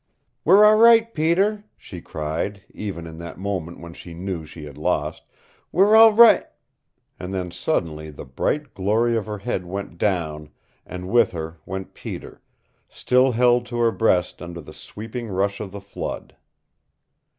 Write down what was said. "We're all right, Peter," she cried, even in that moment when she knew she had lost. "We're all ri " And then suddenly the bright glory of her head went down, and with her went Peter, still held to her breast under the sweeping rush of the flood.